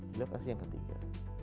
itu pasti yang ketiga